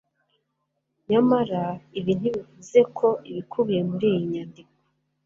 nyamara ibi ntibivuze ko ibikubiye muri iyi nyandiko